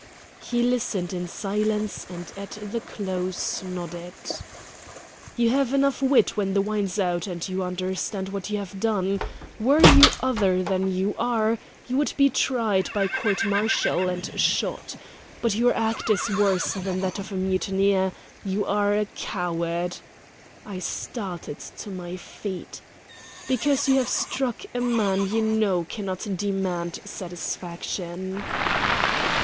He listened in silence, and at the close nodded. "You have enough wit when the wine's out, and you understand what you have done. Were you other than you are, you would be tried by court martial and shot. But your act is worse than that of a mutineer you are a coward" I started to my feet "because you have struck a man you know cannot demand satisfaction."